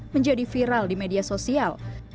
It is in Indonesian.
menjadi viral di media sosial